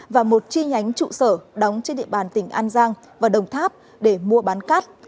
và một chi nhánh trụ sở đóng trên địa bàn tỉnh an giang và đồng tháp để mua bán cát